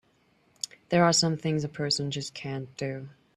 There are some things a person just can't do!